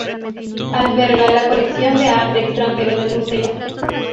Alberga la colección de arte extranjero del museo.